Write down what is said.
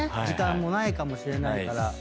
時間もないかもしれないから。